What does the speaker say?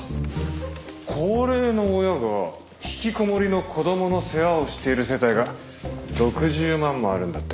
高齢の親が引きこもりの子供の世話をしている世帯が６０万もあるんだって。